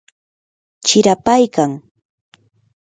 chirapaykan.